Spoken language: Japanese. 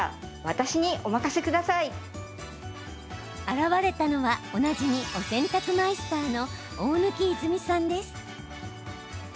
現れたのはおなじみ、お洗濯マイスターの大貫和泉さんです。